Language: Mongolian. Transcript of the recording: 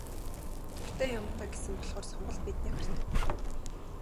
Дуртай яамандаа гэсэн болохоор сонголт бидний гарт байна.